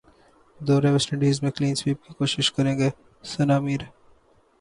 دورہ West Indies میں clean sweep کی کوشش کرینگے ثناء میر